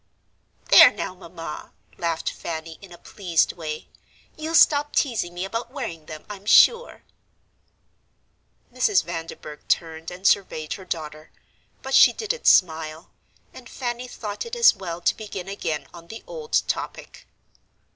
"There, now, Mamma," laughed Fanny, in a pleased way; "you'll stop teasing me about wearing them, I'm sure." Mrs. Vanderburgh turned and surveyed her daughter; but she didn't smile, and Fanny thought it as well to begin again on the old topic.